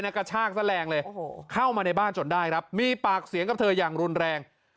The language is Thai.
กระชากซะแรงเลยเข้ามาในบ้านจนได้ครับมีปากเสียงกับเธออย่างรุนแรง